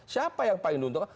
siapa yang paling diuntungkan